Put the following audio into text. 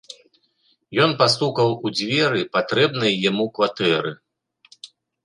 Ён пастукаў у дзверы патрэбнай яму кватэры.